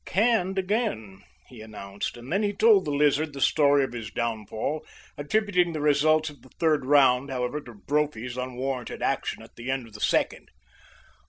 "Canned again," he announced, and then he told the Lizard the story of his downfall, attributing the results of the third round, however, to Brophy's unwarranted action at the end of the second.